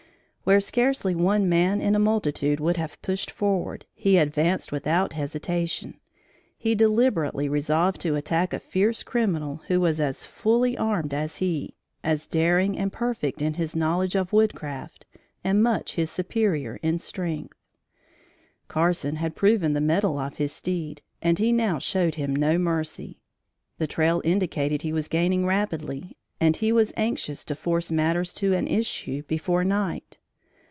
Where scarcely one man in a multitude would have pushed forward, he advanced without hesitation. He deliberately resolved to attack a fierce criminal who was as fully armed as he, as daring and perfect in his knowledge of woodcraft, and much his superior in strength. Carson had proven the mettle of his steed, and he now showed him no mercy. The trail indicated he was gaining rapidly and he was anxious to force matters to an issue before night.